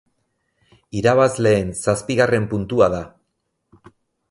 Irabazleen zazpigarren puntua da.